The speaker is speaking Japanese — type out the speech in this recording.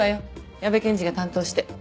矢部検事が担当して。